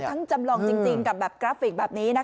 คือทั้งจำลองจริงกับกราฟิกแบบนี้นะคะ